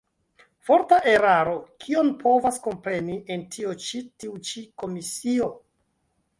Forta eraro: kion povas kompreni en tio ĉi tiu ĉi komisio?